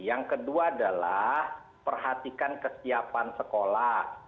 yang kedua adalah perhatikan kesiapan sekolah